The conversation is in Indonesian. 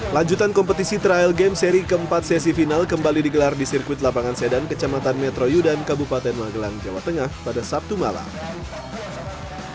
lanjutan kompetisi trial game seri keempat sesi final kembali digelar di sirkuit lapangan sedan kecamatan metro yudan kabupaten magelang jawa tengah pada sabtu malam